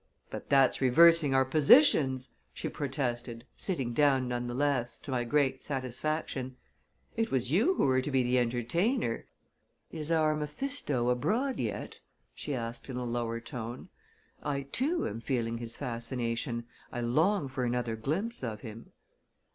"But that's reversing our positions!" she protested, sitting down, nevertheless, to my great satisfaction. "It was you who were to be the entertainer! Is our Mephisto abroad yet?" she asked, in a lower tone. "I, too, am feeling his fascination I long for another glimpse of him."